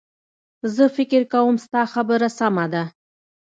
زه فکر کوم ستا خبره سمه ده